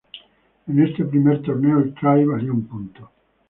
En este primer torneo el try valía un punto.